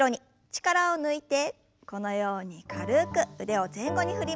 力を抜いてこのように軽く腕を前後に振りましょう。